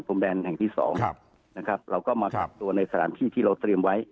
มแดนแห่งที่สองนะครับเราก็มากักตัวในสถานที่ที่เราเตรียมไว้